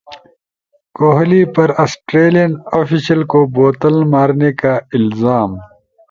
کوہلی پر Australian official کو بوتل مارنے کا الزام